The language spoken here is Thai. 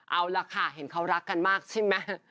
เอาล่ะค่ะเห็นเขารักกันมากใช่ไหม